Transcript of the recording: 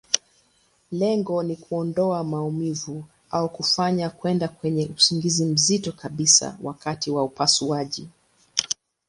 Lengo ni kuondoa maumivu, au kufanya kwenda kwenye usingizi mzito kabisa wakati wa upasuaji.